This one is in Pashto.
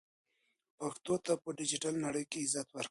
پښتو ته په ډیجیټل نړۍ کې عزت ورکړئ.